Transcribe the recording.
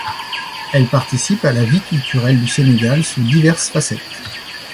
Elle participe à la vie culturelle du Sénégal sous diverses facettes.